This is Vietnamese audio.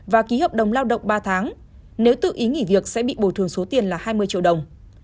và ký hợp đồng lao động ba tháng nếu tự ý nghỉ việc sẽ bị bồi thường số tiền là hai mươi triệu đồng